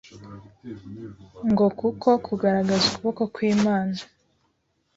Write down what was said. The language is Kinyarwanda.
ngo kuko kugaragaza ukuboko kw’Imana.